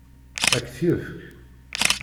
Ad k-t-yefk?